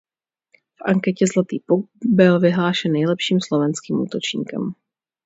V anketě Zlatý puk byl vyhlášen nejlepším slovenským útočníkem.